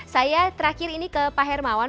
saya terakhir ini ke pak hermawan